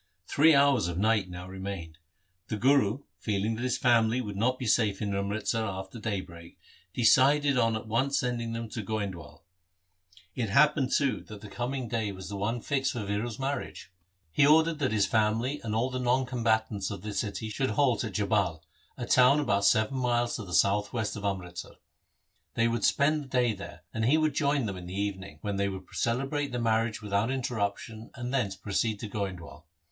Three hours of night now remained. The Guru, feeling that his family would not be safe in Amritsar after daybreak, decided on at once sending them to Goindwal. It happened, too, that the coming day LIFE OF GURU HAR GOBIND 85 was the one fixed for Viro's marriage. He ordered that his family and all the non combatants of the city should halt at Jhabal, a town about seven miles to the south west of Amritsar. They would spend the day there, and he would join them in the evening, when they would celebrate the marriage without interruption, and thence proceed to Goindwal.